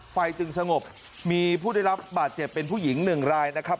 จึงสงบมีผู้ได้รับบาดเจ็บเป็นผู้หญิงหนึ่งรายนะครับ